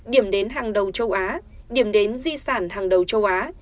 điểm đến hàng đầu châu á điểm đến di sản hàng đầu châu á